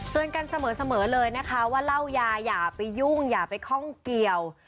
กันเสมอเลยนะคะว่าเล่ายาอย่าไปยุ่งอย่าไปข้องเกี่ยว